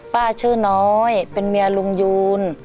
ป้าชื่อน้อยเป็นเมียลุงยูน